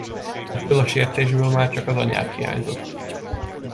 Ebből a sértésből már csak az anyád hiányzott.